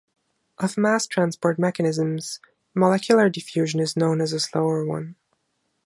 Of mass transport mechanisms, molecular diffusion is known as a slower one.